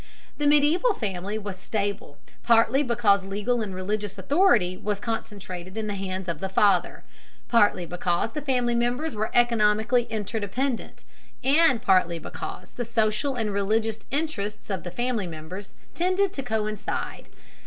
The medieval family was stable, partly because legal and religious authority was concentrated in the hands of the father, partly because the family members were economically interdependent, and partly because the social and religious interests of the family members tended to coincide.